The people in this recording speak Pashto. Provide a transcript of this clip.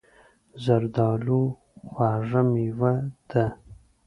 زردالو خوږه مېوه ده.